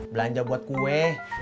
belanja buat kue